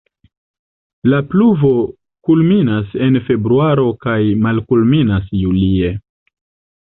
La pluvo kulminas en februaro kaj malkulminas julie.